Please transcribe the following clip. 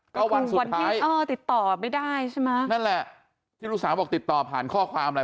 ก็วันวันที่เออติดต่อไม่ได้ใช่ไหมนั่นแหละที่ลูกสาวบอกติดต่อผ่านข้อความอะไร